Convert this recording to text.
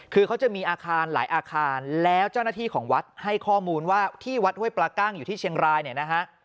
คือเขาจะมีอาคารหลายอาคารแล้วเจ้าหน้าที่ของวัดให้ข้อมูลว่าที่วัดห้วยปลากั้งอยู่ที่เชียงรายเนี่ยนะฮะ